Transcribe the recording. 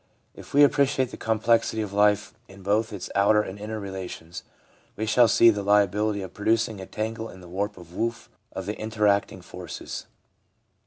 If we appreciate the complexity of life in both its outer and inner relations, we shall see the liability of producing a tangle in the warp and woof of the inter acting forces.